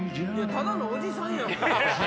ただのおじさんやん。